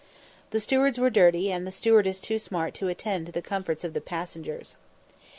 The stewards were dirty, and the stewardess too smart to attend to the comforts of the passengers.